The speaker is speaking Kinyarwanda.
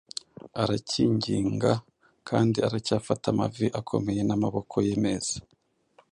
aracyinginga, kandi aracyafata amavi akomeye n'amaboko ye meza.